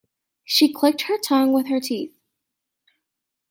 She clicked her tongue with her teeth.